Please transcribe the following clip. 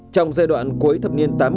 trong giai đoạn cuối thập niên tám mươi